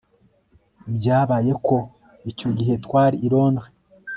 Byabaye ko icyo gihe twari i Londres